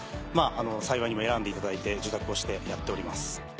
幸いにも選んでいただいて受託をしてやっております。